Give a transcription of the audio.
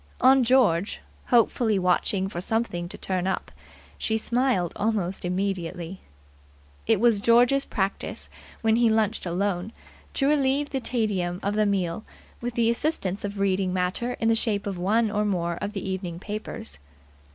On George, hopefully watching for something to turn up, she smiled almost immediately. It was George's practice, when he lunched alone, to relieve the tedium of the meal with the assistance of reading matter in the shape of one or more of the evening papers.